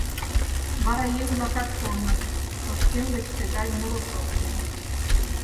Вара еҥ-влакат колыныт, тошкем гыч тыгай муро шоктен: